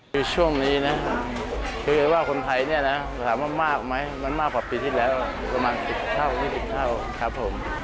คือช่วงนี้นะคือว่าคนไทยเนี่ยนะสามารถมากไหมมันมากพอปีที่แล้วประมาณสิบเท่าสิบเท่าครับผม